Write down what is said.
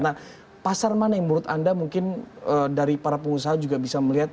nah pasar mana yang menurut anda mungkin dari para pengusaha juga bisa melihat